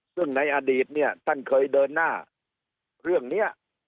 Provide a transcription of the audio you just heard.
ซึ่งในอดีตเนี่ยท่านเคยเดินหน้าเรื่องนี้